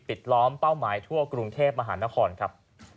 ล้อมเป้าหมายทั่วกรุงเทพมหานครครับ